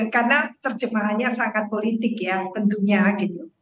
karena terjemahannya sangat politik ya tentunya gitu